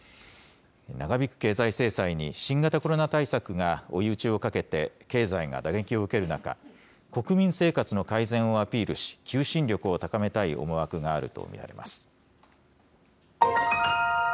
長引く経済制裁に新型コロナ対策が追い打ちをかけて、経済が打撃を受ける中、国民生活の改善をアピールし、求心力を高めたい思惑があると見られます。